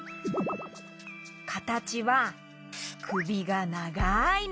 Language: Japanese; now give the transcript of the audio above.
かたちはくびがながいの。